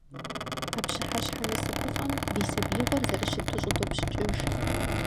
А пщыхьэщхьэ насыпыфӀэм ди сабиигъуэр зэрыщыту щӀыдопщыкӀыж.